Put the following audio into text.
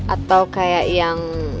atau kayak yang